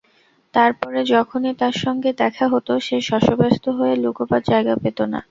তার পরে যখনই তার সঙ্গে দেখা হত সে শশব্যস্ত হয়ে লুকোবার জায়গা পেত না।